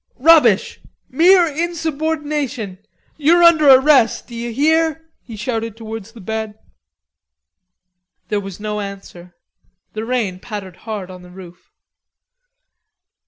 "Rubbish.... Mere insubordination.... You're under arrest, d'ye hear?" he shouted towards the bed. There was no answer. The rain pattered hard on the roof.